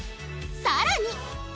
さらに